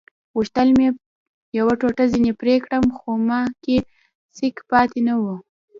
غوښتل مې یوه ټوټه ځینې پرې کړم خو ما کې سېک پاتې نه وو.